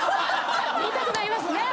言いたくなりますね。